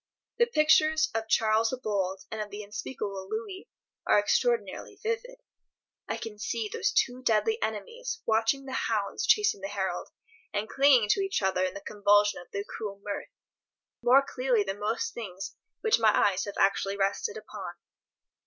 The pictures of Charles the Bold and of the unspeakable Louis are extraordinarily vivid. I can see those two deadly enemies watching the hounds chasing the herald, and clinging to each other in the convulsion of their cruel mirth, more clearly than most things which my eyes have actually rested upon.